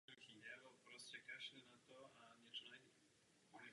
V parlamentu patřil do Polského klubu.